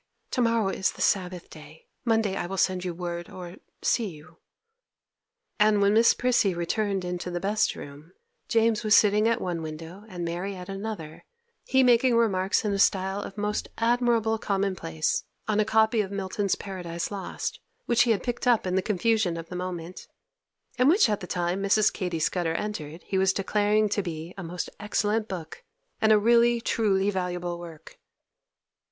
To morrow is the Sabbath day. Monday I will send you word or see you.' And when Miss Prissy returned into the best room, James was sitting at one window and Mary at another, he making remarks in a style of most admirable commonplace on a copy of Milton's Paradise Lost, which he had picked up in the confusion of the moment, and which at the time Mrs. Katy Scudder entered, he was declaring to be a most excellent book, and a really truly valuable work.